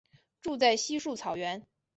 住在稀树草原。